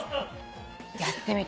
やってみて。